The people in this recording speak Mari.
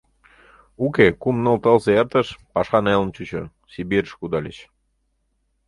Уке, кум-ныл тылзе эртыш, паша нелын чучо, Сибирьыш кудальыч.